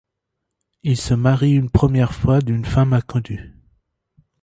Il se marie une première fois, d'une femme inconnue.